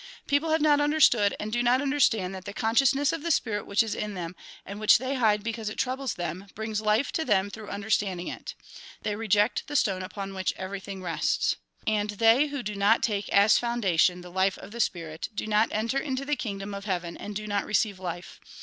" People have not understood and do not under stand that the consciousness of the spirit which is in them, and which they hide because it troubles them, brings life to them through understanding it. They reject that stone upon which everything rests. And they who do not take as foundation the life of the spirit, do not enter into the kingdom of heaven, and do not receive life.